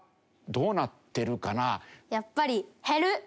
やっぱり減る！